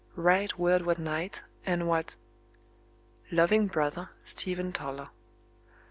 Write word what night, and what ... loving brother, Stephen Toller."